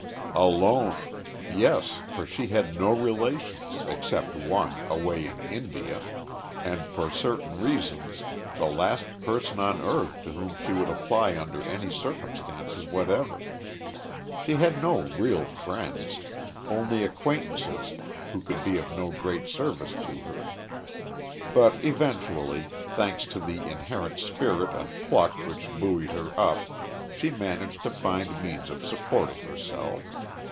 Alone! Yes for she had no relations, except one, away in India, and for certain reasons the last person on earth to whom she would apply under any circumstances whatever. She had no real friends, only acquaintances who could be of no great service to her, but eventually, thanks to the inherent spirit and pluck which buoyed her up, she managed to find means of supporting herself.